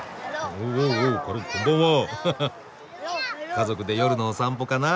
家族で夜のお散歩かな。